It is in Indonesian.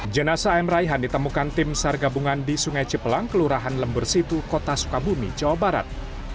jenasa am raihan ditemukan tim sar gabungan di sungai cipelang kelurahan lember situ kota sukabumi jawa barat